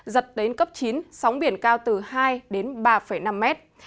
giật đến cấp chín sóng biển cao từ hai đến ba năm mét